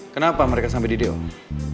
kenapa mereka sampai di diong